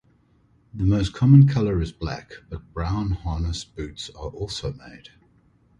The most common color is black, but brown harness boots are also made.